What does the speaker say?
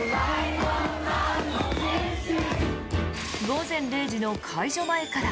午前０時の解除前から